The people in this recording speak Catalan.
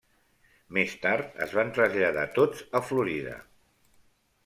Més tard es van traslladar tots a Florida.